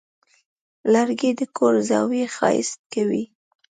لرګی د کور زاویې ښایسته کوي.